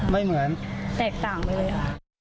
ไม่เหมือนแตกต่างไปเลยค่ะ